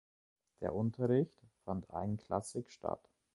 Der Unterricht fand einklassig statt.